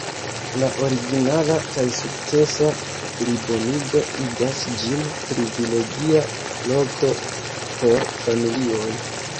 La originala kaj sukcesa plibonigo igas ĝin privilegia loko por familioj.